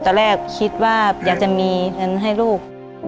ตอนแรกคิดว่าอยากจะมีเงินให้ลูก